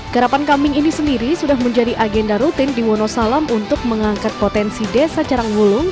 karapan kambing ini sendiri sudah menjadi agenda rutin di wonosalam untuk mengangkat potensi desa caranggulung